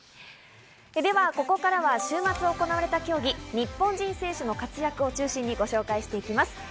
では、ここからは週末行われた競技、日本人選手の活躍を中心にご紹介していきます。